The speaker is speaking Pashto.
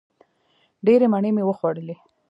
ډېرې مڼې مې وخوړلې!